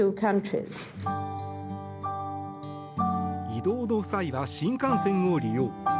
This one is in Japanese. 移動の際は新幹線を利用。